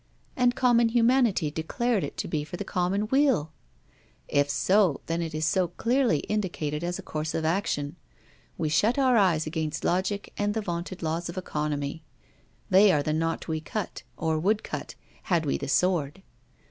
And common humanity declared it to be for the common weal! If so, then it is clearly indicated as a course of action: we shut our eyes against logic and the vaunted laws of economy. They are the knot we cut; or would cut, had we the sword.